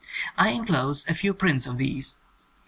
I enclose a few prints of these.